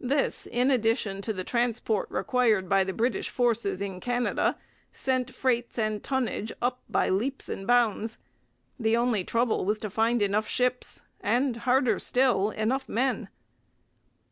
This, in addition to the transport required by the British forces in Canada, sent freights and tonnage up by leaps and bounds. The only trouble was to find enough ships and, harder still, enough men.